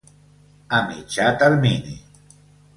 A mitjà termini.